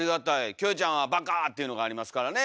キョエちゃんは「バカー」っていうのがありますからね。